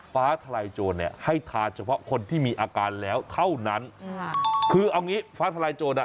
ฟ้าทลายโจรเนี่ยให้ทานเฉพาะคนที่มีอาการแล้วเท่านั้นคือเอางี้ฟ้าทลายโจรอ่ะ